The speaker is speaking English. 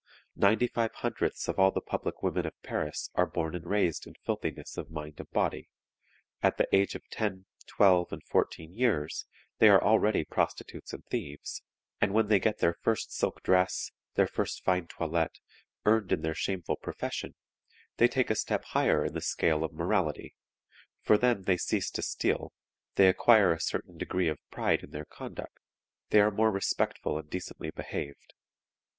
Ninety five hundredths of all the public women of Paris are born and raised in filthiness of mind and body; at the age of ten, twelve, and fourteen years they are already prostitutes and thieves, and when they get their first silk dress, their first fine toilet, earned in their shameful profession, they take a step higher in the scale of morality; for then they cease to steal, they acquire a certain degree of pride in their conduct, they are more respectful and decently behaved.